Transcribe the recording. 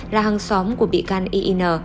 là hàng xóm của bị can iin